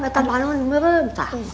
atau panon merom